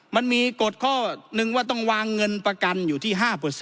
มันมีกฎข้อหนึ่งว่าต้องวางเงินประกันอยู่ที่๕